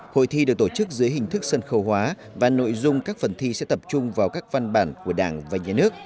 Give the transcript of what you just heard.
hội thi được tổ chức dưới hình thức sân khấu hóa và nội dung các phần thi sẽ tập trung vào các văn bản của đảng và nhà nước